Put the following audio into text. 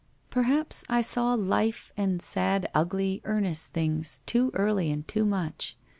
1 Perhaps I saw life and sad ugly, earnest things, too early and too much.